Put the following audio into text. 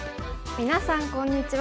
みなさんこんにちは。